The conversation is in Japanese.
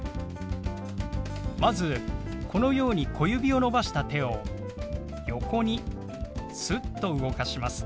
まずこのように小指を伸ばした手を横にすっと動かします。